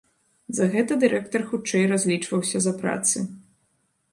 За гэта дырэктар хутчэй разлічваўся за працы.